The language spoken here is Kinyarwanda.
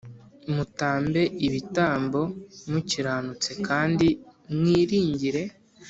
Mutambe ibitambo mukiranutse Kandi mwiringire